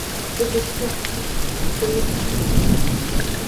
ওকে বিশ্বাস করে আমি কিভাবে টাকা ধার দিব?